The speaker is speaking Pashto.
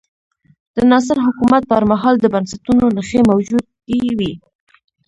د ناصر حکومت پر مهال د بنسټونو نښې موجودې وې.